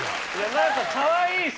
何かかわいいし。